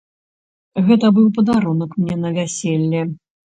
Гэта быў падарунак мне на вяселле.